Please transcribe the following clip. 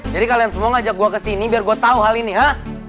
jadi kalian semua ngajak gue kesini biar gue tau hal ini ha